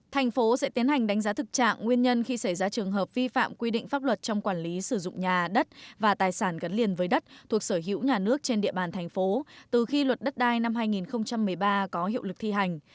thành phố sẽ tiến hành đánh giá thực trạng nguyên nhân khi xảy ra trường hợp vi phạm quy định pháp luật trong quản lý sử dụng nhà đất và tài sản gắn liền với đất thuộc sở hữu nhà nước trên địa bàn thành phố từ khi luật đất đai năm hai nghìn một mươi ba có hiệu lực thi hành